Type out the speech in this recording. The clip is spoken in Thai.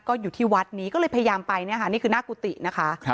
ก็อยู่ที่วัดนี้ก็เลยพยายามไปเนี่ยค่ะนี่คือหน้ากุฏินะคะ